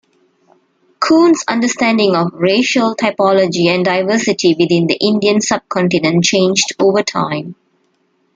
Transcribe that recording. Coon's understanding of racial typology and diversity within the Indian sub-continent changed over time.